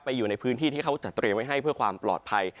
อยู่ในพื้นที่ที่เขาจะเตรียมไว้ให้เพื่อความปลอดภัย